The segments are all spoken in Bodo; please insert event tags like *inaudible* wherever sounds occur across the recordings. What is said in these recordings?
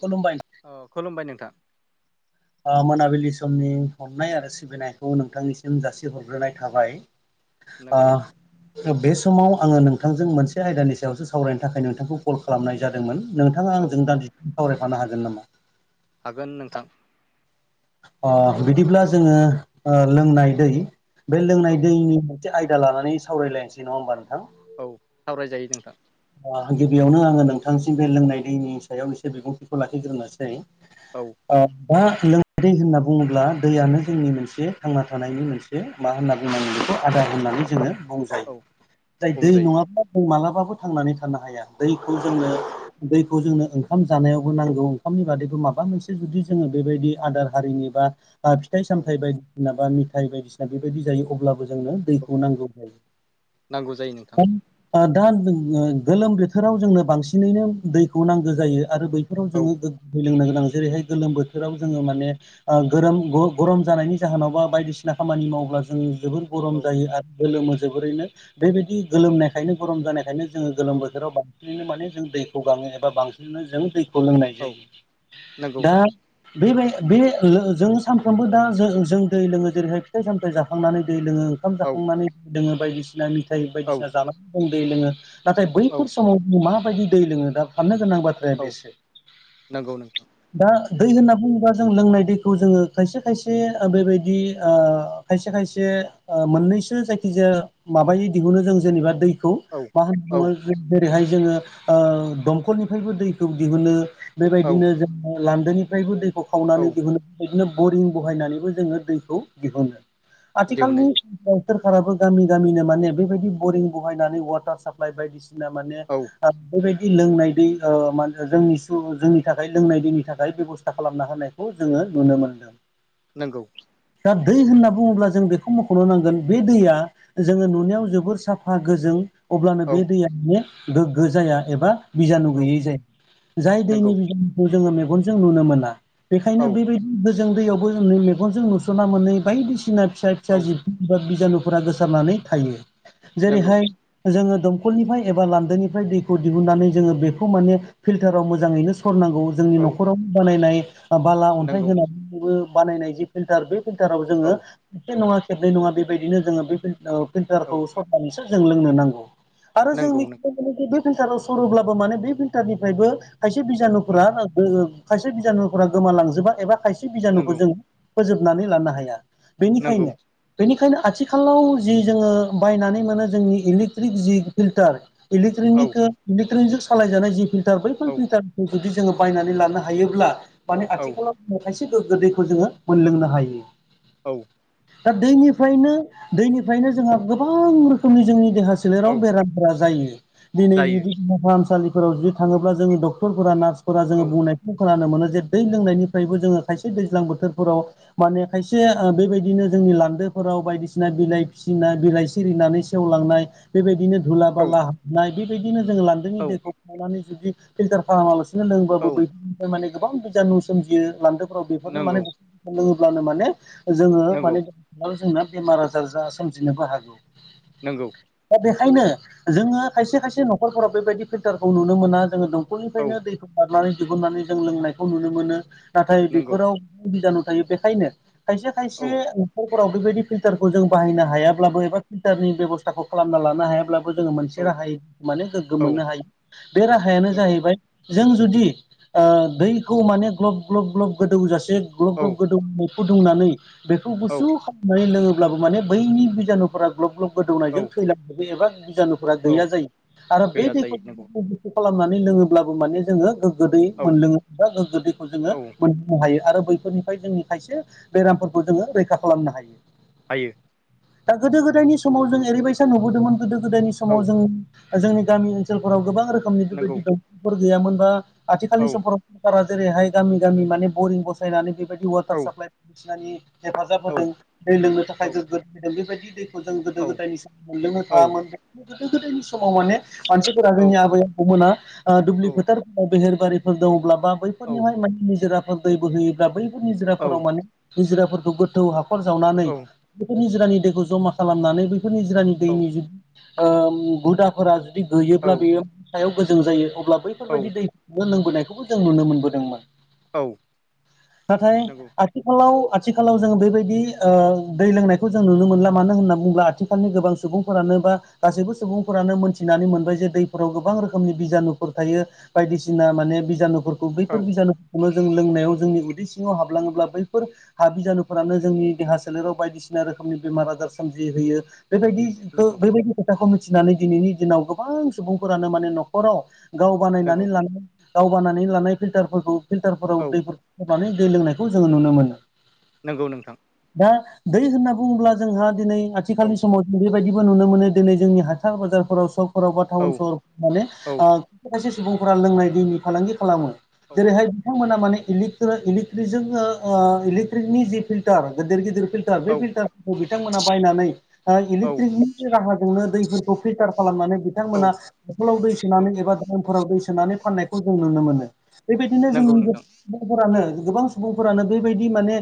खुलुमबाय ओ खुलुमबाय नोंथां। ओ मोनाबिलि समनि अननाय आरो सिबिनायखौ नोंथांनिसिम जासिहरग्रोनाय थाबाय। नंगौ बे समाव आंङो नोंथांजों मोनसे आयदानि सायावसो सावरायनो थाखाय नोंथांखौ कल खालामनाय जादोंमोन नोंथाङा औ आंजों दान्दिसे सावरायफानो हागोन नामा? हागोन नोंथां। ओ बिदिब्ला जोंङो ओ लोंनाय दै बे औ लोंनाय दैनि मोनसे आयदा लानानै सावरायलायनोसै नङा होमबा नोंथां? औ सावरायजायो नोंथां। ओ गिबियावनो आंङो नोंथांसिम बे लोंनाय दैनि सायाव एसे बिबुंथिखौ लाखिग्रोनोसै। औ। ओ दा लोंनाय दै होनना बुङोब्ला दैयानो जोंनि मोनसे थांना थानायनि मोनसे। बे मा होनना बुंनांगोन बेखौ आदार होननानै जोंङो बुं औ जाय दै बुंजायो नङाब्ला जों मालाबाबो थांनानै थानो हाया। दैखौ जोंनो हाया दैखौ जोंनो ओं ओंखाम जानायावबो नांगौ ओंखामनि बादैबो माबा मोनसे जुदि जोंङो बेबायदि आदार हारिनि बा बा फिथाइ औ सामथाइ बायदिसिना बा मेथाइ बायदिसिना बेबायदि जायो अब्लाबो जोंनो औ दैखौ नांगौ नांगौ नोंथां जायो। दा गोलोम बोथोराव जोंनो बांसिनैनो दैखौ नांगौ जायो आरो बै फोराव औ जोंङो गोग्गो दै लोंनो गोनां जेरैहाय गोलोम बोथोराव जोंङो माने ओ गोरोम ग गरम जानायनि जाहोनाव बा बायदिसिना खामानि मावोब्ला जों जोबोद गरम औ जायो आरो गोलोमो जोबोरैनो बेबायदि गोलोमनायखायनो गरम जानायखायनो जोंङो गोलोम औ बोथोराव बांसिनैनो माने जों दैखौ गाङो एबा बांसिनै जों दै खौ लोंनाय औ नंगौ जायो दा बेबाय बे जों सानफ्रोमबो दा ज जों दै लोंङो जेरैहाय फिथाइ सामथाइ जाखांनानै दै लोंङो। ओंखाम औ जाखांनानै लोंङो बायदिसिना मिथाइ औ बायदिसिना जानानै जों दै लोंङो नाथाय औ बैफोर समाव माबायदि दै लोंङो दा फाननो गोनां बाथ्राया औ बेसो। नंगौ नोंथां दा दै होनना बुङोबा जों लोंनाय दैखौ जोंङो खायसे खायसे बेबायदि ओ खायसे-खायसे ओ मोननैसो जायखिजाया माबायै दिहुनो जों जेनेबा दै खौ औ मा होनना औ बुङो जेरैहाय जोङो दमखलनिफ्रायबो दैखौ दिहुनो औ बेबायदिनो जोङो लान्दोनिफ्रायबो दैखौ औ खावनानै दिहुनो बिदिनो बरिं बहायनानैबो जोङो दैखौ दिहुनो दिहुननाय आथिखालनि जायो। सोरखाराबो गामि गामिनो माने बेबायदि बरिं बहायनानै वाटार साप्लाय बायदिसिना ना माने औ बा बेबायदि लोंनाय दै ओ माहोनो जोंनि सु जोंनि थाखाय लोंनाय दैनि थाखाय बेब'स्था खालामना होनाय खौ जोङो नुनो मोनदों। नोंगौ दा दै होनना बुङोब्ला जों बेखौ मख'नो नांगोन बे दैया जोङो नुनायाव जोबोर साफा गोजों अब्लानो औ बे दैया माने गोग्गो जाया एबा बिजानु औ गैयै जायो जाय नंगौ दैनि बिजानुखौ जोङो मेगनजों नुनो मोना बेखायनो औ बेबायदि गोजों दैयावबोै मेगनजों नुस'ना मोनै बायदिसिना फिसा-फिसा औ जिब बा बिजानुफोरा गोसारनानै थायो नंगौ जेरैहाय जोङो दंखलनिफ्राय एबा लान्दोनिफ्राय दैखौ दिहुननानै जोङो बेखौ माने फिल्टाराव मोजाङैनो सरनांगौ जोंनि औ न'खराव बानायनाय बाला अन्थाइ नंगौ होनानैबो बानायनाय जि फिल्टार बे फिल्टाराव औ जोङो खेबसे नङा खेबनै नङा बेबायदिनो जोङो बे *unintelligible* औ फिलथारखौ सरनानैसो जों लोंनो नांगौ आरो जों नंगौ मिथिनो‌ नंगौ मोनो बे फिल्टाराव सरोब्लाबो माने बे फिल्टारनिफ्रायबो खायसे औ बिजानुफोरा *unintelligible* खायसे बिजानुफोरा गोमालांजोबा एबा खायसे बिजानुखौ नंगौ जों फोजोबनानै लानो हाया नंगौ बेनिखायनो बेनिखायनो आथिखालाव जि जोङो बायनानै मोनो जोंनि इ इलिट्रिक जि फिल्टार औ इलेट्रनिकजों सालायजानाय जि फिल्टार बैफोर औ फिल्टार खौ जुदि जोङो बायनानै लानो हायोब्ला माने औ आथिखालाव खायसे गोग्गो दैखौ जोङो मोनलोंनो हायो। औ दा दैफ्रायनो दैनिफ्रायनो जोंहा गोबां रोखोमनि जोंनि देहा सो सोलेराव औ बेरामफोरा जायो *unintelligible* जायो देहा फाहामसालिफोराव जि थाङोब्ला जोङो डक्टरफोरा नार्सफोरा जोङो औ बुंनाय खोनानो मोनो जे दै लोंनायनिफ्रायबो जोङो खायसे दैज्लां बोथोरफोराव माने खायसे ओ बेबायदिनो जोंनि लान्दोफोराव बायदिसिना बिलाइ फिसिनाय बिलाइ सिरिनानै सेवलांनाय बेबायदिनो धुला औ बाला हाबनाय बेबायदिनो जोङो लान्दोनि औ दैखौ खनानै जुदि फिल्टार खालामालासे बिदिनो लोंबाबो औ बैफोरनिफ्राय माने गोबां बिजाननु सोमजियो लान्दोफोराव बेफोरनो माने नंगौ लोङोब्लानो माने जोङो नंगौ माने जोंना बेमार आजार जा सोमजिनोबो हागौ नोंगौ दा बेखायनो जोङो खायसे-खायसे न'खरफोराव बेबायदि फिल्टारखौ नुनो मोना जोङो औ दंखलनिफ्रायनो दै बारनानै दिहुननानै जों लोंनायखौ नुनो मोनो नाथाय नंगौ बेफोराव बिजानु थायो बेखायनो खायसे खायसे औ न'खरफोराव बेबायदि फिल्टारखौ जों बाहायनो औ हायाब्लाबो एबा फिल्टारनि बेब'स्थाखौ खालामना लानो हायाब्लाबो जोङो मोनसे औ राहायै माने गोग्गो औ मोननो हायो बे राहायानो नंगौ जाहैबाय जों जुदि ओ दैखौ माने ग्लब ग्लब ग्लब गोदौजासे ग्लब औ ग्लब गोदौ औ फुदुंनानै बेखौ औ गुसु ख मनानै लोङोब्लाबो माने बैनि बिजानुफोरा ग्लब ग्लब औ गोदौनायजों थैलांजोबो एबा बिजानु फोरा गैया औ जायो आरो बै गैया जायो दैखौ नंगौ *unintelligible* खालामनानै लोङोब्लाबो माने जोङो गोदै औ मोनलोङो बा गोग्गो दैखौ जोङो औ मोन नो हायो आरो बैफोरनिफ्राय जोंनि खायसे बेरामफोरखौ जोङो रैखा खालामनो हायो हायो दा गोदो गोदायनि समाव जों ओरैबायसा नुबोदोंमोन गोदो गोदायनि औ समाव जों ओ जोंनि गामि ओनसोलफोराव गोबां रोखोमनि नंगौ बेबायदि डंफांफोर गैयामोन बा औ आथिखालनि समफोराव सरकारा जेरैहाय गामि-गामि माने बरिं बसायनानै बेबायदि वाटार औ साप्लाइ बायदिसिनानि हेफाजाब औ होदों दै लोंनो थाखाय औ गोग्गो बेबायदि दैखौ जों गोदो औ गोदायनि मोनलोंनो औ थाङामोन गो गोदनि समाव माने मानसिफोरा औ जोंनि आबै आबौ मोना ओ दुब्लि औ फोथार बेहेरबारिफोर दङब्ला बा औ बैफोरनिहाय माने निजिराफोर दै बोहयोब्ला बैफोर निजिराफोराव माने निजिराफोरखौ गोथौ हाखर जावनानै बेफोर निजिरानि दैखौ जमा खालामनानै बैफोर निजिरानि औ दैनि जुदि हुदाफोरा जुदि औ गैयोब्ला बेयो सायाव गोजों जायो अब्लाबो बेफोरबायदि औ दैनो लोंबोनायखौबो जों नुनो मोनबोदोंमोन औ नाथाय नंगौ आथिखालाव-आथिखालाव जों बेबायदि ओ दै लोंनायखौ जों नुनो मोनला मानो होनना बुङोब्ला आथि आथिखालनि गोबां सुबुंफोरानो बा गासैबो सुबुंफोरानो मोनथिनानै मोनबाय जे दैफोराव गोबां रोखोमनि बिजानु फोर थायो बायदिसिना माने बिजानुफोरखौ औ बैफोर बिजानु खुनु जों लोंनायाव जोंनि उदै सिङाव हाबलाङोब्ला बैफोर हाबिजानुफोरानो जोंनि देहा सोलेराव बायदिसिना रोखोमनि बेमार आजार सोमजिहैयो बेबायदि खो नंगौ बेबायदि खोथाखौ मिथिनानै दिनैनि दिनाव गोबां सुबुंफोरानो माने न'खराव गाव बानायनानै नंगौ लानाय गाव बानायानानै लानाय फिल्टारफोरखौ फिल्टारफोराव औ दै होबानै दै लोंनायखौ जोङो नुनो मोनो नंगौ नोंथां दा दै होनना बुङोब्ला जोंहा दिनै औ आथिखालनि समाव जों बेबायदिबो नुनो मोनो दिनै जोंनि हाथाय बाजारफोराव सकफोराव बा औ टाउन सहराव माने औ ायसे सुबुंफोरा लोंनाय दैनि फालांगि खालामो औ जेरैहाय बिथांमोना मक इलेकट्रिकनि जि फिल्टार गदिर गिदिर फार बे औ फिल्टारफोरखौ बिथांमोना बायनानै औ इलेक्ट्रिकनि राहाजोंनो दै फिल्टार खालामनानै बिथांमोना औ हखलाव दै औ सोनानै एबा दामफोराव दै सोनानै फाननायखौ जों नुनो मोनो बेबायदिनो नंगौ जों नोंथां सुबुंफोरानो गोबां सुबुंफोरानो बेबायाददि माने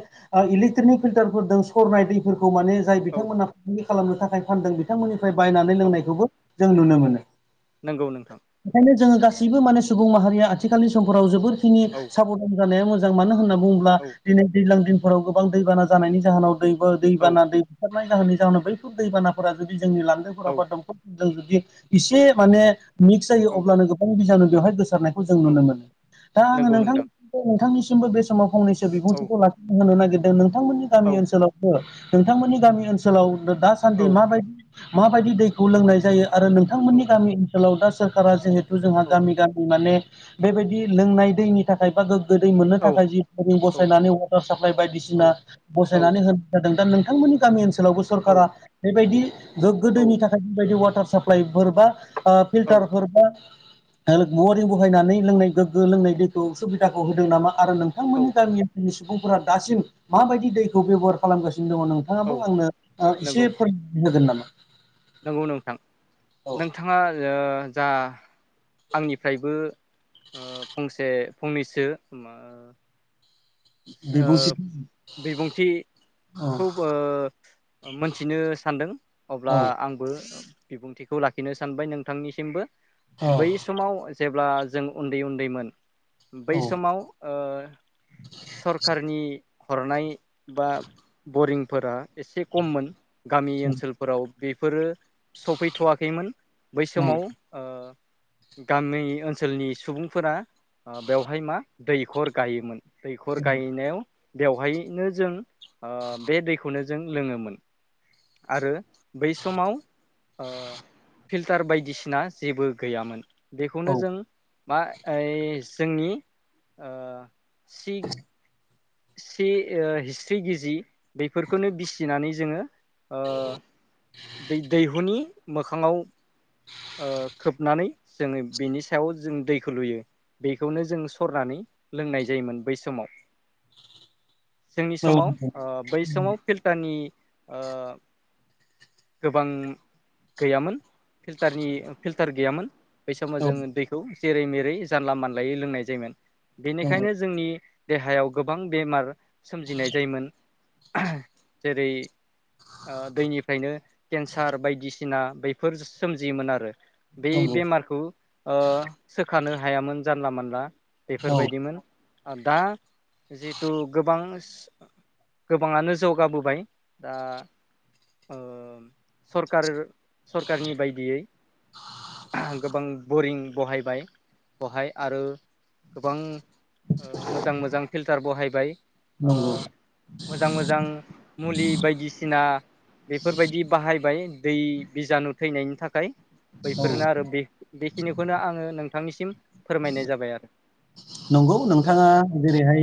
इलेकट्रिकनिक फिल्टारफोरदों सरनाय दै फोरखौ माने जाय औ बिथांमोनहा फालांगि खालामनो थाखाय फानदों बिथांमोननिफ्राय बायनानै औ लोंनायखौबो जों नुनो मोनो नंगौ नोंथां बेओंखायनो जोङो गासैबो माने सुबुं माहारिया आथिखालनि समफोराव जोबोरखिनि औ सापर्ट खम जानाया मोजां मानो होनना बुङोब्ला औ दिनै दैज्लां दिनफोराव गोबां दैबाना जानायनि जाहोनाव दैबो औ दैबाना दै बुथारनाय जाहोननि जाहोनाव बैफोर दैबानाफोरा जुदि जोंनि लांदोफोराव औ बा दंखल से मान औ मिक्स जायो औ अब्लानो गोबां बिज बेवहाय गोसारनाय जों औ नुनो मोनो दा आङो नोंथां नोंथांनिसिमबो बे समाव फंनैसो औ बिबुंथिखौ ला होनो नागिरदों नोंथांमोननि औ गामि ओनसोलावबो नोंथांमोननि गामि ओनसोलावनो दास औ सान्दि माबायदि माबायदि दैखौ लोंनाय जायो आरो औ नोंथांमोननि गामि ओनसोलाव दा सोरखारा जिहेथु जोंहा गामि गामि माने बेबायदि लोंनाय दैनि थाखाय बा गोदै मोननो औ थाखाय जििं औ बसायनानै वाटार साप्लाइ बायदिसिना औ औ बसायनानै होन जादों दा नोंथांमोननि गामि ओनसोलावबो सरकारा बेबायदि गोग्ग गोदोनि थाखाय बायदि वाटार साप्लाइफोरबा औ फिल्टारफोरबा मवरिं बहायनानै लोंनाय गोग्गो लोंनाय दैखौ सुबिदाखौ होदों नामा आरो औ नोंथांमोननि गामि ओ सुबुंफोरा दासिम माबायदि दैखौ बेब'हार खालामगासिनो दङ औ नोंथाङाबो आंनो इसे नंगौ *unintelligible* नोगोन नामा? नंगौ नोंथां औ नोंथाङा जा आंनिफ्रायबो ओ फंसे फंनैसो मा बिबुंथि औ बिबुंथिखौ मोनथिनो सानदों अब्ला औ आं बिबुंथिखौ लाखिनो सानबाय नोंथांनिसिमबो औ बै स समाव जेब्ला जों उन्दै उन्दैमोन बै औ समाव सरखारारनि हरनाय बा बरिंफोरा एसे खममोन। गामि ओनसोलफोराव बेफोरो सफैथ'वाखैमोन बै नंगौ समाव गामि ओनसोलनि सुबुंफोरा बेवहाय मा दैखर गायोमोन दैखर गायनायाव बेवहायनो जों ओ बे दैखौनो जों लोङोमोन। आरो बै समाव ओ फिल्टार बायदिसिना जेबो गैयामोन। बेखौनो औ जों मा ऐ जोंनि ओ सि सि ओ हिस्थ्रि गिजि बेफोरखौनो बिसिनानै जोङो ओ बे दैहुनि मोखाङाव ओ खोबनानै जोङो बिनि सायाव जों दैखौ लुयो। बेखौनो जों सरनानै लोंनाय जायोमोन बै समाव। जोंनि औ समाव नंगौ अ बै समाव फिल टानि ओ गोबां गैयामोन। फिल्टारनि फिल्टार गैयामोन बै समाव औ जोङो दै खौ जेरै मेरै जानला मानलायै लोंनाय जायोमोन। नंगौ बेनिखायनो जोंनि देहायाव गोब बां बेमार सोमजिनाय जायोमोन। जेरै ओ दैनिफ्रायनो केन्सार बायदिसिना बैफोर सोमजियोमोन आरो। बे नंगौ बेमारखौ ओ सोखानो हायामोन जानला मानला। औ बेफोरबायदिमोन आरो दा जिहेथु गोबां गोबाङानो जौगाबोबाय दा ओ सरखारर सरखारनि बायदियै गोबां बरिं बहायबाय। बहाय आरो गोबां ओ मोजां मोजां फिल्टार बहायबाय ओ नंगौ मोजां-मोजां मुलि बायदिसिना बेफोरबायदि बाहायबाय दै बिजानु थैनायनि थाखाय औ बैफोरनो आरो बे बेखिनिखौनो आङो नोंथांनिसिम फोरमायनाय जाबाय आरो नंगौ नोंथाङा जेरैहाय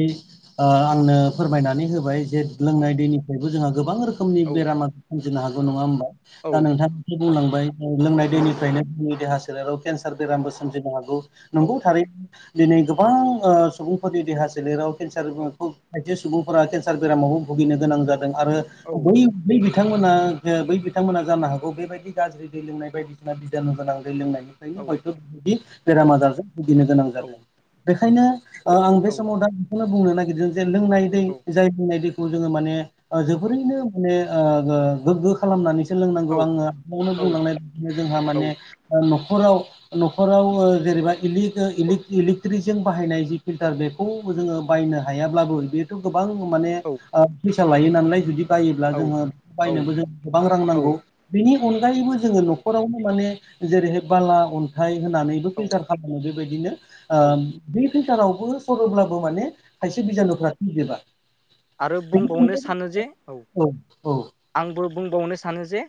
ओ आंनो फोरमायनानै होबाय जे औ लोंनाय दैनिफ्रायबो जोंहा गोबां रोखोमनि औ बेरामा सोमजिनो औ हागौ नङा होमबा? औ दा नोंथाङा बेखौ आरोबाव बुंलांबाय लोंनाय औ दैनिफ्रायनो जोंनि देहा सोलेराव केनसार बेरामबो सजिनो हागौ औ नंगौ था दिनै गोबां ओ सुबुंफोरनि देहा सोलेराव औ केन्सारखौ खायसे सुबुंफोरा केन्सार बेरामावबो भुगिनो गोनां जादों आरो औ बै बै बिथांमोना बै बिथांमोना जानो हागौ बेबायदि गाज्रि दै लोंनाय बायदिसिना बिजानु गोनां दै लोंनायनि बेनो हयथ' बिदि औ बेराम आजारजों भुगिनो गोनां औ जादों बेखायनो आं बे औ समाव दा बेखौनो बुंनो नागिरदों जे लोंनाय दै जाय लोंनाय दैखौ जोङो माने जोबोरैनो माने ओ गोग्गो खालामनानै सोलोंनांगौ आङो आवनो *unintelligible* बुंलांनाय बदिनो जोंहा माने न'खराव न'खराव ओ जेरैबाय *unintelligible* इलेकट्रिकजों बाहायनाय जि फिल्टार बेखौ जोङो बायनो हायाब्लाबो बे गोबां माने अ फैसा लायो नालाय जुदि जायोब्ला जोङो बायनोबो जों गोबां रां नांगौ। बेनि अनगायैबो जोङो न'खरावनो माने जेरैहाय बाला अन्थाइ होनानैबो औ फिल्टार खालामो बेबायदिनो ओ‌ औ बे फिल्टारावबो सरोब्लाबो माने खायसे औ बिजानुफ्रा थैजोबा। आरो बुंबावनो सानो जे *unintelligible* औ औ। आंबो बुंबावनो सानो जे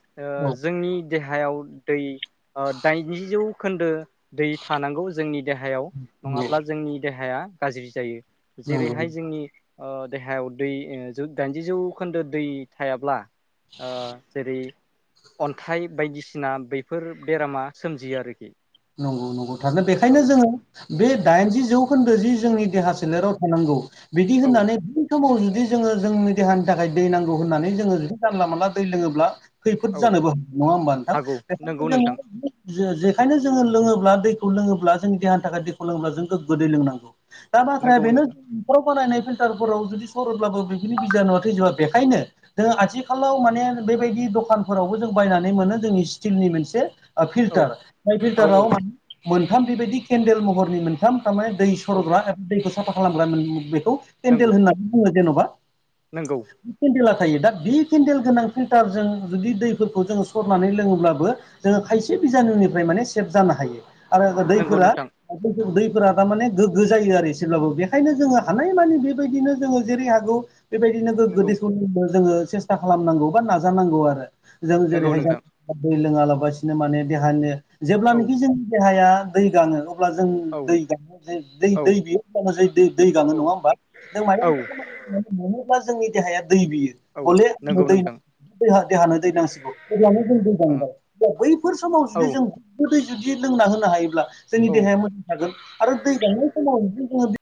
औ जोंनि देहायाव दै दाइनजि जौ खोन्दो दै थानांगौ जोंनि देहायाव नंगौ नङाब्ला जोंनि देहाया गाज्रि जायो जेरैहाय नंगौ जोंनि ओ देहायाव दै दाइनजि जौखोन्दो दै थायाब्ला आ जेरै अन्थाइ बायदिसिना बैफोर बेरामा सोमजियो आरोखि। नंगौ नंगौ। थारानो बेखायनो औ जोङो बे दाइनजि जौखोन्दो जि जोंनि देहा औ सोलेराव थानांगौ बिदि औ होननानै बै समाव जुदि जोङो जोंनि देहानि थाखाय दै नांगौ गौ होननानै औ जोङो जुदि जानला मोनानला दै लोङोब्ला खैफोद औ जानोबो नङा होमबा नोंथां? हागौ नंगौ बेखायनो नोंथां जों *unintelligible* जेखायनो जोङो लोङोब्ला दैखौ लोङोब्ला जोंनि देहानि थाखाय दैखौ लोङोब्ला जों गोग्गो दै लोंनांगौ। दा माथ्राया नंगौ बेनो नोंथां ख'राव बानायनाय फिल्टारफोराव जुदि सरोब्लाबो बेफोरनि बिजानुवा थैजोबा बेखायनो जोङो आथिखालाव माने बेबायदि दखानफोरावबो जों बायनानै मोनो जोंनि स्टिलनि मोनसे आ औ फिल्टार जाय औ फिल्टाराव औ मान मोनथाम बेबायदि केन्देल महरनि मोन थाम थारमाने दै औ सर'ग्रा एबा दैखौ साफा खालामग्रा मोन बेखौ केन्देल होननानै बुङो जेन'बा। नोंगौ। केन्देला थायो। दा बे केन्देल गोनां फिल्टारजों जुदि दैफोरखौ जोङो सरनानै लोङोब्लाबो जोङो खायसे बिजानुनिफ्राय माने सेभ जानो हायो। आरो नंगौ दैफोरा नोंथां दैफोरा थारमाने गोग्गो जायो आरो एसेब्लाबो बेखायनो जोङो हानायमानि बेबायदिनो जोङो जेरै हागौ बेबायदिनो गोग्गो नंगौ दैखौ लोंनो जोङो सेस्था खालामनांगौ बा नाजानांगौ आरो। जों नंगौ जेरैहाय जों नोंथां दै लोङालाबसिनो माने देहानो औ जेब्लानाखि जोंनि देहाया दै गाङो अ ब्ला जों औ दै गाङो जे दै औ दै बिहर *unintelligible* दै गाङो औ नङा होमबा? जों माबा औ मोनसे खामानि मावनानै मेङोब्ला जोंनि देहाया दै बियो। औ बले आंनो नंगौ दै नां नोंथां देहा देहानो दै नांसिगौ। अब्लानो जों दै गांबाय। ओ दा बैफोर समाव जुदि जों गैग्गोदै जुदि लोंना होनो हायोब्ला जोंनि औ देहाया मोजां थागोन आरो दै गांनाय समाव जदि जोङो